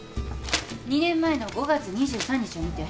２年前の５月２３日を見て。